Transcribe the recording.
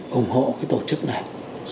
cùng hộ tổ chức này